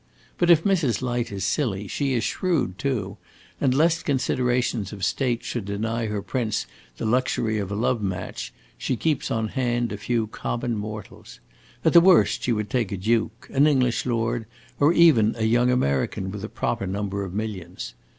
But if Mrs. Light is silly, she is shrewd, too, and, lest considerations of state should deny her prince the luxury of a love match, she keeps on hand a few common mortals. At the worst she would take a duke, an English lord, or even a young American with a proper number of millions.